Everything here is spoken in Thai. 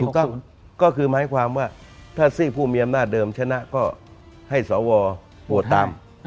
ก็คือหมายความว่าถ้าซีกผู้มีอำนาจเดิมชนะก็ให้สวโหวตตาม